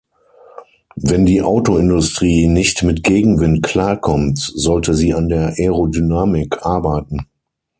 Wenn die Autoindustrie nicht mit Gegenwind klarkommt, sollte sie an der Aerodynamik arbeiten.